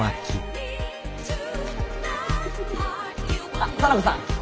あっ沙名子さん！